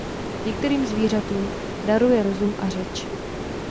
Některým zvířatům daruje rozum a řeč.